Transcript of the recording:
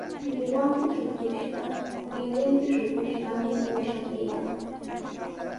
Millwanpis rutushqa, rinrinpis ruqushqami uusha kaykan.